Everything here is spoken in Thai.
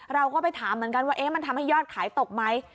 เราก็ไปถามเหมือนกันว่ามันทำให้ยอดขายตกไหม